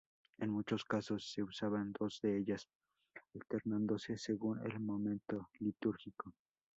En muchos casos se usaban dos de ellas, alternándose según el momento litúrgico.